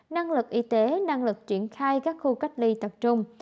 năng lực y tế năng lực triển khai các khu cách ly tập trung